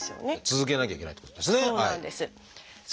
続けなきゃいけないっていうことですね。